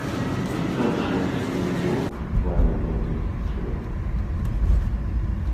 They travelled on to New York via London Heathrow